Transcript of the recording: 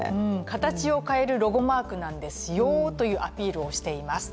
形を変えるロゴマークなんですよというアピールをしています。